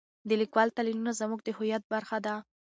د لیکوالو تلینونه زموږ د هویت برخه ده.